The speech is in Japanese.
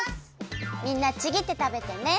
みんなちぎってたべてね。